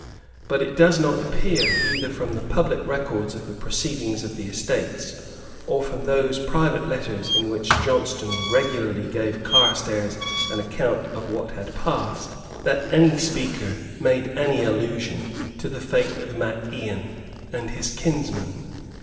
But it does not appear, either from the public records of the proceedings of the Estates, or from those private letters in which Johnstone regularly gave Carstairs an account of what had passed, that any speaker made any allusion to the fate of Mac Ian and his kinsmen.